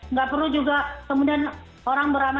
nggak perlu juga kemudian orang beramai